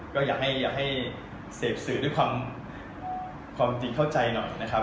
ก็อยากให้เสพสื่อด้วยความจริงเข้าใจหน่อยนะครับ